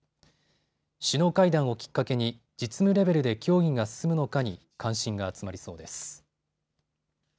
首脳会談をきっかけに実務レベルで協議が進むのかに関心が集まりそうです。